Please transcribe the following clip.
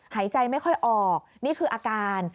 หายใจไม่ค่อยออกนี่คืออาการ